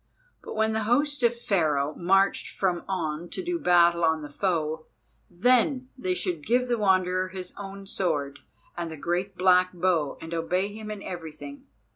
But when the host of Pharaoh marched from On to do battle on the foe, then they should give the Wanderer his own sword and the great black bow, and obey him in everything.